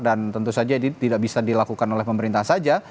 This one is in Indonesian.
dan tentu saja ini tidak bisa dilakukan oleh pemerintah saja